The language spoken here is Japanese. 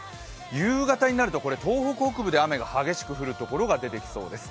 夕方になると東北北部で雨が激しく降るところが出てきそうです。